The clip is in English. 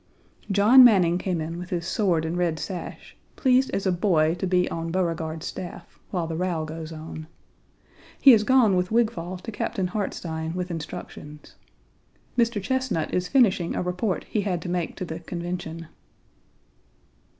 John Manning came in with his sword and red sash, pleased as a boy to be on Beauregard's staff, while the row goes on. He has gone with Wigfall to Captain Hartstein with instructions. Mr. Chesnut is finishing a report he had to make to the Convention.